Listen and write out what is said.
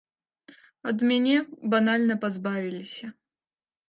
Ад мяне банальна пазбавіліся.